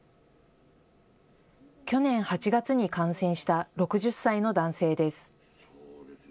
去年８月に感染した６０歳の男性です。